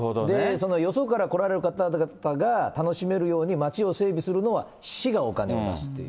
そのよそから来られた方が楽しめるように街を整備するのは、市がお金を出すっていう。